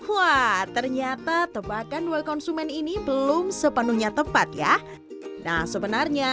wah ternyata tebakan dua konsumen ini belum sepenuhnya tepat ya nah sebenarnya